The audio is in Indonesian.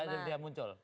iya itu dia muncul